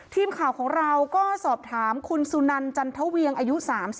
ทีมข่าวของเราก็สอบถามคุณสุนันจันทเวียงอายุ๓๒